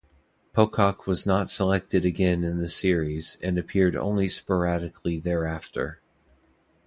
Pocock was not selected again in the series, and appeared only sporadically thereafter.